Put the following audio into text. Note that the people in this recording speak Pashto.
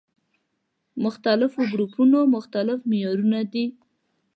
مختلفو ګروپونو مختلف معيارونه دي.